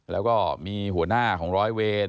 แล้วก็มีหัวหน้าของร้อยเวร